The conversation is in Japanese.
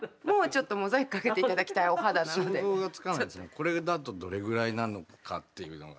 これだとどれぐらいなのかっていうのが。